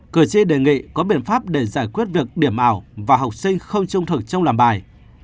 cử tri đề nghị có biện pháp để giải quyết việc điểm ảo và học sinh không trung thực trong làm bài